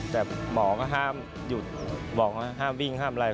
แต่หมอก็ห้ามหยุดบอกว่าห้ามวิ่งห้ามอะไร